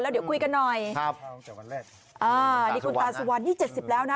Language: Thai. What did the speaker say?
เดี๋ยวคุยกันหน่อยครับอ่านี่คุณตาสุวรรณนี่เจ็ดสิบแล้วนะ